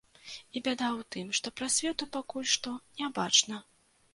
І бяда ў тым, што прасвету пакуль што не бачна.